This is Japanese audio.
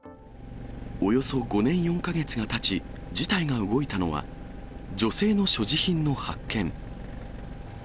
およそ５年４か月がたち、事態が動いたのは、女性の所持品の発見。